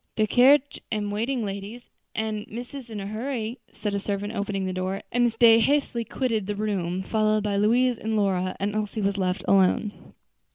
"De carriage am waiting, ladies, an' missus in a hurry," said a servant, opening the door; and Miss Day hastily quitted the room, followed by Louise and Lora; and Elsie was left alone.